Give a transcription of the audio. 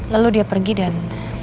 lalu dia pergi dan